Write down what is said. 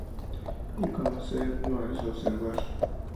Y conocer no es observar.